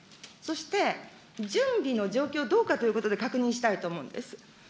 そして準備の状況どうかということで確認したいと思うんです。